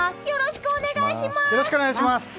よろしくお願いします！